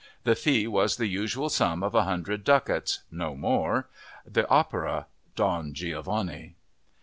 The fee was the usual sum of 100 ducats (no more!), the opera—Don Giovanni.